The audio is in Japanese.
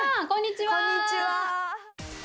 こんにちは！